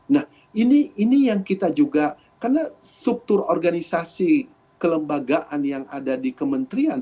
nah ini yang kita juga karena struktur organisasi kelembagaan yang ada di kementerian